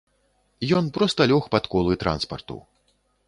Ён проста лёг пад колы транспарту.